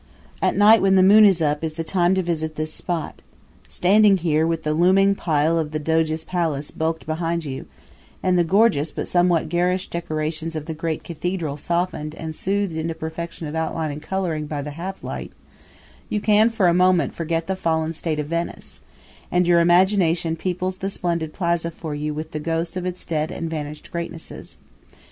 At night, when the moon is up, is the time to visit this spot. Standing here, with the looming pile of the Doge's Palace bulked behind you, and the gorgeous but somewhat garish decorations of the great cathedral softened and soothed into perfection of outline and coloring by the half light, you can for the moment forget the fallen state of Venice, and your imagination peoples the splendid plaza for you with the ghosts of its dead and vanished greatnesses.